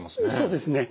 そうですね。